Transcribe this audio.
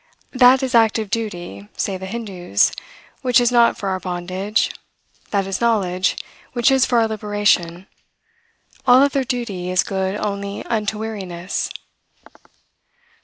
"That is active duty," say the Hindoos, "which is not for our bondage; that is knowledge, which is for our liberation; all other duty is good only unto weariness."